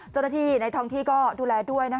เจ้าหน้าที่ในท้องที่ก็ดูแลด้วย